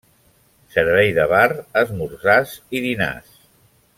Servei de bar, esmorzars i dinars.